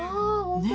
ねえ。